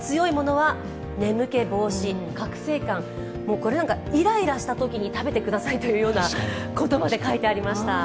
これなんか「いらいらしたときに食べてください」というようなことまで書いてありました。